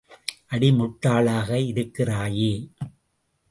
அடி முட்டாளாக இருக்கிறாயே!